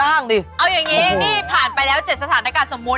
แตกแตกไปเรื่อยเส้นเนี่ยมันจะแตกไปเรื่อยไม่กินเหนื้อน้อย